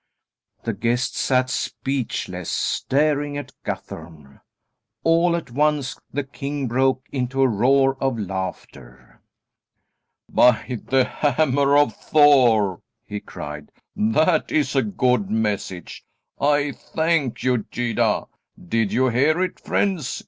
'" The guests sat speechless, staring at Guthorm. All at once the king broke into a roar of laughter. "By the hammer of Thor!" he cried, "that is a good message. I thank you, Gyda. Did you hear it, friends?